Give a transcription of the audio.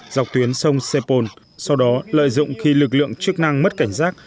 dọc tuyến sông sepol sau đó lợi dụng khi lực lượng chức năng mất cảnh giác